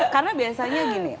karena biasanya gini